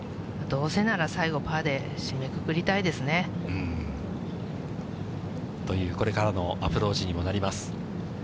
どうせなら最後、パーで締めくくりたいですね。というこれからのアプローチ